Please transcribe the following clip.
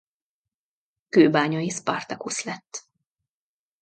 Kőbányai Spartacus lett.